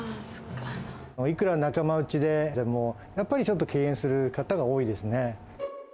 いくら仲間内ででも、やっぱりちょっと敬遠する方が多いですね。